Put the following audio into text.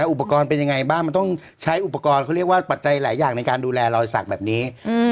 อุปกรณ์เป็นยังไงบ้างมันต้องใช้อุปกรณ์เขาเรียกว่าปัจจัยหลายอย่างในการดูแลรอยสักแบบนี้